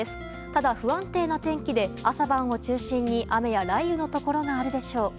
ただ、不安定な天気で朝晩を中心に雨や雷雨のところがあるでしょう。